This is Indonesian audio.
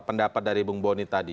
pendapat dari bung boni tadi